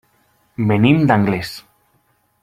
Venim d'Anglès.